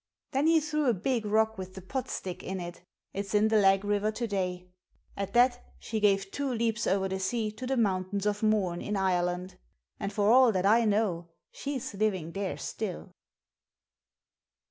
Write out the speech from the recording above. Then he threw a big rock with the pot stick in it it's in the Lagg river to day. At that she gave two leaps over the sea to the Mountains of Mourne in Ireland; and for all that I know she's living there still.